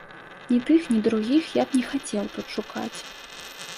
Ні тых, ні другіх я б не хацеў тут шукаць.